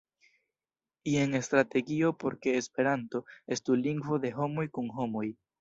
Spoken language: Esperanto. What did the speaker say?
Jen strategio por ke Esperanto estu lingvo de homoj kun homoj.